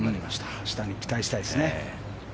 明日に期待したいですね。